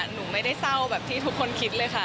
หนูไม่ได้เศร้าแบบที่ทุกคนคิดเลยค่ะ